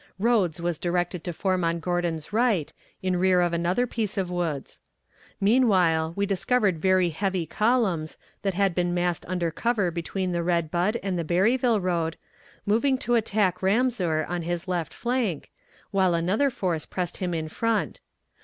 Rodes was directed to form on Gordon's right, in rear of another piece of woods. Meanwhile, we discovered very heavy columns, that had been massed under cover between the Red Bud and the Berryville road, moving to attack Ramseur on his left flank, while another force pressed him in front.